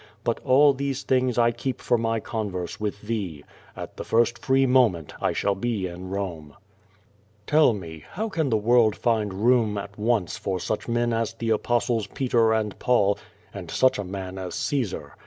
But all these 284 ^^^ VADIS. things I keep for my converse with thee. At the first free moment I shall be in Rome. Tell me, how can the world find room at once for such men as the Apostles Peter and Paul, and such a man as Caesar?